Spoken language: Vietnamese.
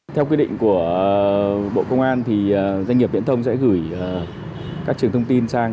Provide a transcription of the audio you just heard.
theo quy định của bộ công an thì doanh nghiệp viễn thông sẽ gửi các trường thông tin sang